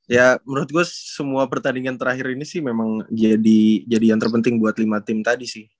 ya menurut gue semua pertandingan terakhir ini sih memang jadi yang terpenting buat lima tim tadi sih